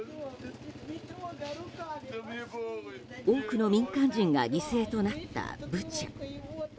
多くの民間人が犠牲となったブチャ。